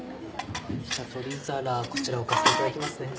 取り皿こちら置かせていただきますね。